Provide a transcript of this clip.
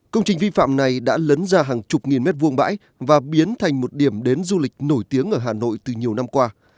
công trình vi phạm này đã lấn ra hàng chục nghìn mét vuông bãi và biến thành một điểm đến du lịch nổi tiếng ở hà nội từ nhiều năm qua